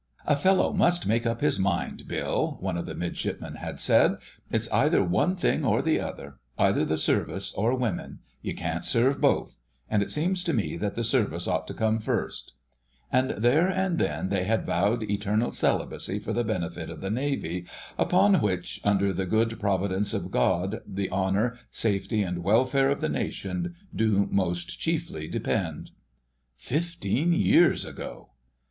"A fellow must make up his mind, Bill," one of the midshipmen had said. "It's either one thing or the other—either the Service or Women. You can't serve both; and it seems to me that the Service ought to come first." And there and then they had vowed eternal celibacy for the benefit of the Navy, upon which, under the good providence of God, the Honour, Safety, and Welfare of the Nation do most chiefly depend. Fifteen years ago...!